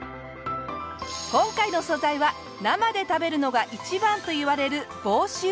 今回の素材は「生で食べるのが一番」といわれる房州びわ。